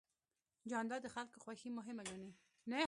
جانداد د خلکو خوښي مهمه ګڼي.